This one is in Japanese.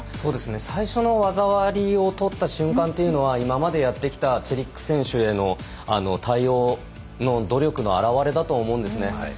最初の技ありを取った瞬間というのは今までやってきたチェリック選手への対応の努力の表れだと思うんですね。